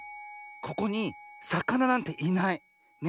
ここにさかななんていない。ね。